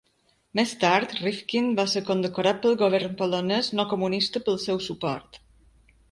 Més tard, Rifkind va ser condecorat pel govern polonès no comunista pel seu suport.